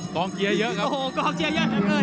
ต้องเกียร์เยอะครับ